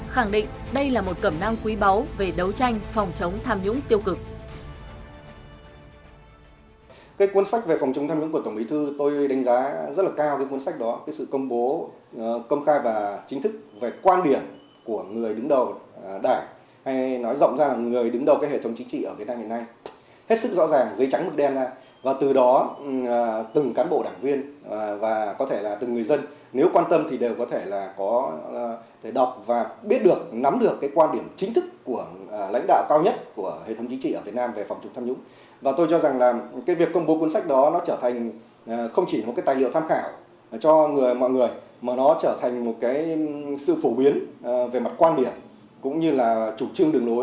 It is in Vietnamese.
khẳng định đây là một cẩm năng quý báu về đấu tranh phòng chống tham nhũng tiêu cực